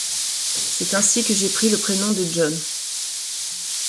C’est ainsi que j’ai pris le prénom de John.